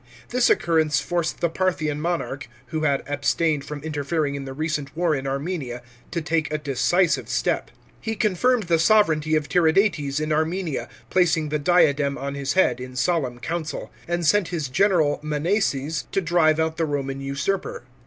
This occurrence forced the Parthian monarch, who had abstained from interfering in the recent war in Armenia, to take a decisive step. He confirmed the sovranty of Tiridates in Armenia, placing the diadem on his head in solemn council ; and sent his general Monseses to drive out the Roman usurper.